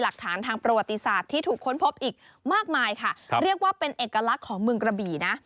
คุณพบอีกมากมายค่ะเรียกว่าเป็นเอกลักษณ์ของเมืองกระบีนะ